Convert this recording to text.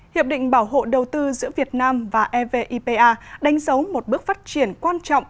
hiệp định bảo hộ đầu tư giữa việt nam và evipa đánh dấu một bước phát triển quan trọng